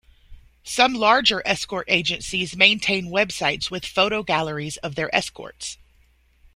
Some larger escort agencies maintain websites with photo galleries of their escorts.